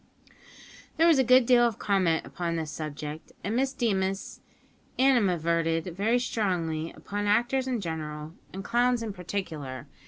There was a good deal of comment upon this subject, and Miss Deemas animadverted very strongly upon actors in general and clowns in particular.